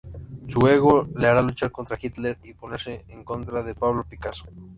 Su ego le hará luchar contra Hitler y ponerse en contra de Pablo Picasso.